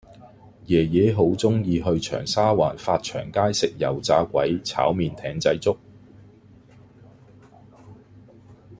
爺爺好鍾意去長沙灣發祥街食油炸鬼炒麵艇仔粥